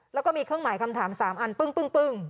แล้วก็มีเครื่องหมายคำถาม๓อันปึ้ง